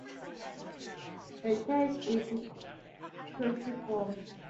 The church is cruciform.